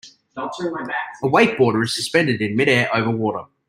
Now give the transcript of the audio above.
A wakeboarder is suspended in midair over water.